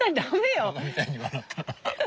ばかみたいに笑ったら。